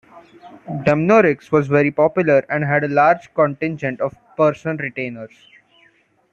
Dumnorix was very popular and had a large contingent of person retainers.